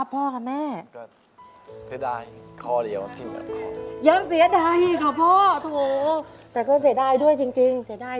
แต่แค่นี้ก็ถือว่าไปไง